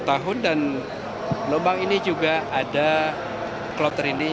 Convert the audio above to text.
dua puluh tahun dan lubang ini juga ada kloter ini